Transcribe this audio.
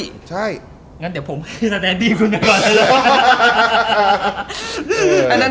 งั้นเดี๋ยวผมแสดงพี่คุณก่อนเลย